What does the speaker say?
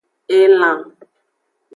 Elan.